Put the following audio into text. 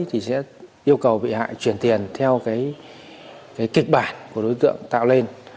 thì sẽ yêu cầu bị hại chuyển tiền theo cái kịch bản của đối tượng tạo lên